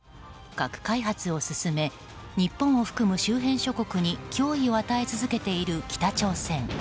核開発を進め日本を含む周辺諸国に脅威を与え続けている北朝鮮。